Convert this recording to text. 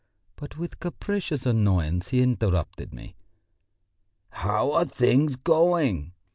But with capricious annoyance he interrupted me. "How are things going?"